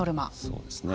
そうですね。